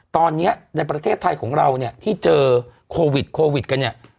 ตอนนี้ในประเทศไทยของเราเนี่ยที่เจอโควิดโควิดกันเนี่ย